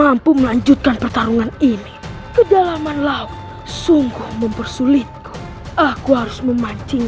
akhirnya bola bola buduriku menemukan mangsanya bersiap lagi santang